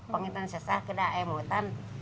kalau sesah kita emutan